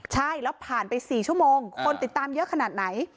ใช่แล้วผ่านไป๔ชั่วโมงคนติดตามเยอะขนาดไหน